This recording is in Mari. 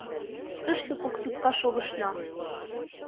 Тыште кок сутка шогышна.